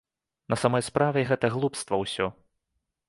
На самой справе гэта глупства ўсё.